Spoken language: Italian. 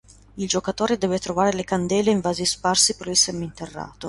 Il giocatore deve trovare le candele in vasi sparsi per il seminterrato.